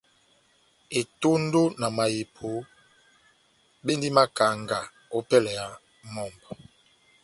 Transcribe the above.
Etondo na mahepo bendi makanga ópɛlɛ ya mɔmbɔ́.